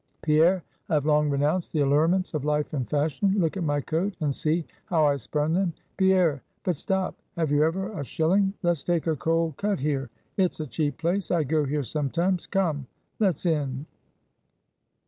Pierre, I have long renounced the allurements of life and fashion. Look at my coat, and see how I spurn them! Pierre! but, stop, have you ever a shilling! let's take a cold cut here it's a cheap place; I go here sometimes. Come, let's in."